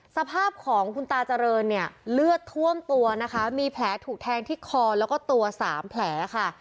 สภาพของคุณตาเจริญเนี่ยเลือดท่วมตัวนะคะมีแผลถูกแทงที่คอแล้วก็ตัวสามแผลค่ะ